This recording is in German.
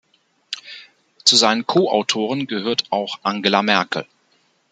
Zu seinen Co-Autoren gehört auch Angela Merkel.